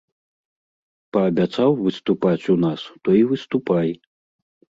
Паабяцаў выступаць у нас, то і выступай.